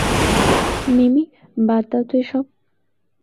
মিমি, বাদ দাও তো এসব!